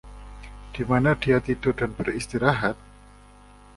Dimana dia tidur dan beristirahat?